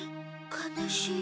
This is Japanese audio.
悲しい。